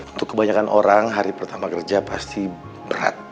untuk kebanyakan orang hari pertama kerja pasti berat